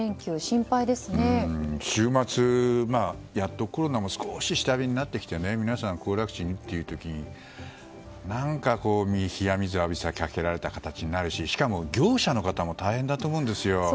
週末、やっとコロナも少し下火になってきて皆さん行楽地にって時に何か冷や水を浴びせられた形になりますししかも業者の方も大変だと思うんですよ。